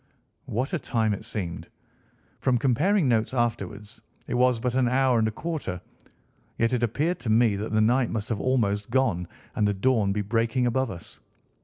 What a time it seemed! From comparing notes afterwards it was but an hour and a quarter, yet it appeared to me that the night must have almost gone, and the dawn be breaking above us.